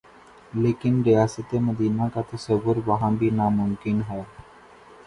لیکن ریاست مدینہ کا تصور وہاں بھی ناممکن ہے۔